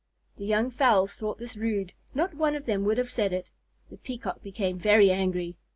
The young fowls thought this rude. Not one of them would have said it. The Peacock became very angry.